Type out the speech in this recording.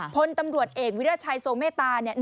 พลตำรวจเอกวิราชัยโซเมตตาเนี่ย